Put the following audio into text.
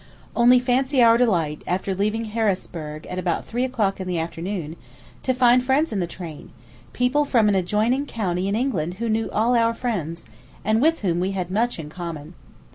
Only fancy our delight, after leaving Harrisburgh about 3 o'clock in the afternoon, to find friends in the train, people from an adjoining county in England who knew all our friends, and with whom we had much in common.